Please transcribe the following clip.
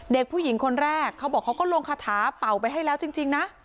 เด็กผู้หญิงคนแรกเขาบอกเขาก็ลงคาถาเป่าไปให้แล้วจริงนะ